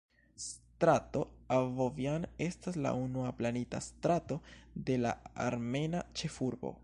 Strato Abovjan estas la unua planita strato de la armena ĉefurbo.